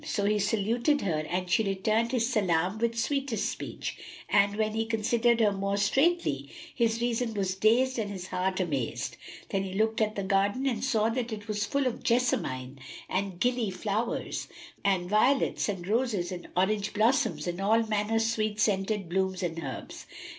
So he saluted her and she returned his salam with sweetest speech; and, when he considered her more straitly, his reason was dazed and his heart amazed. Then he looked at the garden and saw that it was full of jessamine and gilly flowers and violets and roses and orange blossoms and all manner sweet scented blooms and herbs.